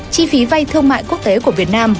chi phí vay thương mại quốc tế của việt nam